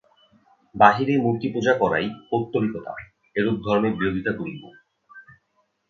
বাহিরে মূর্তিপূজা করাই পৌত্তলিকতা, এরূপ ধর্মের বিরোধিতা করিব।